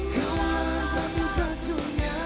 kau lah satu satunya